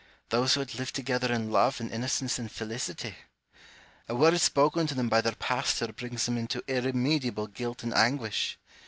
Those who had lived together in love and inno cence and felicity ? A word spoken to them by their pastor brings them into irremediable guilt and anguish.